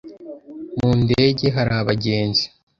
Mu ndege hari abagenzi